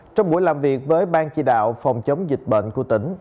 trong buổi làm việc với ban chỉ đạo phòng chống dịch bệnh của tỉnh